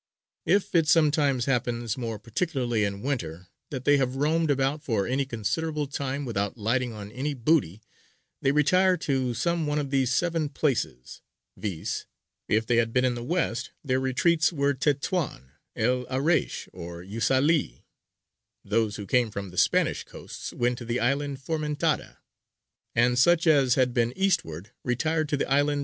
If it sometimes happens more particularly in winter, that they have roamed about for any considerable time without lighting on any booty, they retire to some one of these seven places, viz: If they had been in the west their retreats were Tetwān, Al Araish, or Yusale; those who came from the Spanish coasts went to the island Formentara; and such as had been eastward retired to the island S.